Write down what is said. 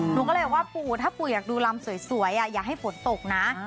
หนูก็เลยว่าปู่ถ้าปู่อยากดูลำสวยอย่าให้ฝนตกนะ